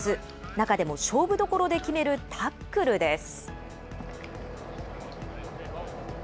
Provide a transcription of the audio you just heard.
中でも勝負どころで決めるタックルです。